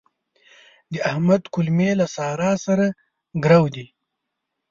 د احمد کولمې له سارا سره ګرو دي.